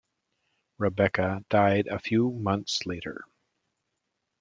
Rebecca died a few months later.